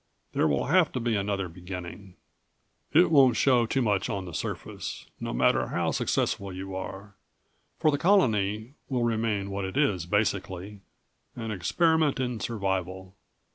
There will have to be another beginning. It won't show too much on the surface. No matter how successful you are, for the colony will remain what it is basically an experiment in survival.